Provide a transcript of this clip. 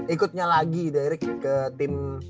ikutnya lagi direct ke tim